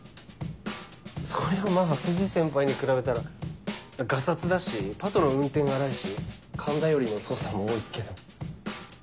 そりゃまぁ藤先輩に比べたらガサツだしパトの運転が荒いし勘頼りの捜査も多いっすけど。